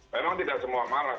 memang tidak semua malas